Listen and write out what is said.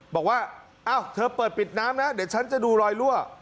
บอกว่าอ้าวเธอเปิดปิดน้ำนะเดี๋ยวฉันจะดูรอยรั่ว